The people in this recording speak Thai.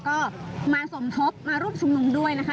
ก็มาสมทบมาร่วมชุมนุมด้วยนะคะ